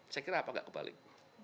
saya kira apa nggak kebalik